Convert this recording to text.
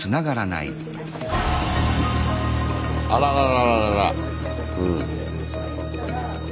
あららららら。